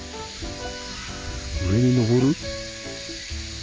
上に登る？